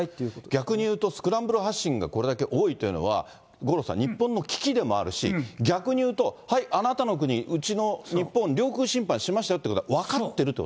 逆に言うと、スクランブル発進がこれだけ多いというのは、五郎さん、日本の危機でもあるし、逆に言うとはい、あなたの国、うちの日本、領空侵犯しましたよっていうことが分かっていると。